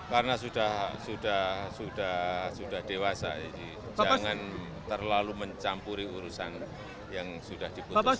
karena sudah dewasa jangan terlalu mencampuri urusan yang sudah diputuskan oleh anak kita